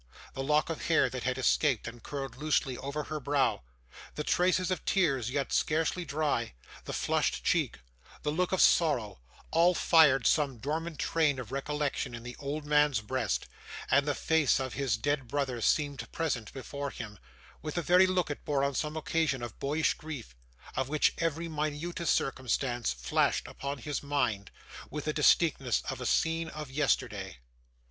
The lock of hair that had escaped and curled loosely over her brow, the traces of tears yet scarcely dry, the flushed cheek, the look of sorrow, all fired some dormant train of recollection in the old man's breast; and the face of his dead brother seemed present before him, with the very look it bore on some occasion of boyish grief, of which every minutest circumstance flashed upon his mind, with the distinctness of a scene of yesterday.